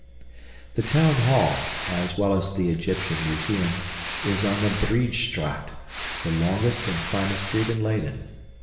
The town hall, as well as the Egyptian Museum, is on the Breedstraat, the longest and finest street in Leyden.